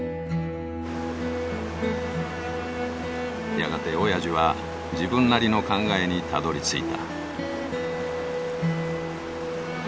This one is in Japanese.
やがておやじは自分なりの考えにたどりついた。